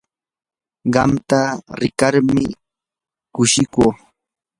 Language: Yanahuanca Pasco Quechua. qamta rikaykurmi kushikuu.